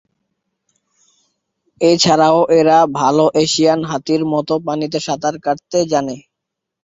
এছাড়াও এরা ভাল এশিয়ান হাতির মতো পানিতে সাঁতার কাটতে জানে।